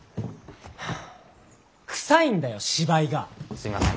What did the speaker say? すみません。